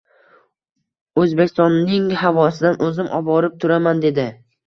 — O‘zbekistonnnig havosidan o‘zim oborib turaman, — dedi.